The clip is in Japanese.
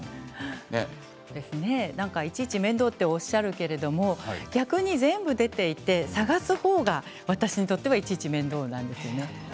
いちいち面倒とおっしゃるけど逆に全部出ていて探す方が私にとってはいちいち面倒なんですよね。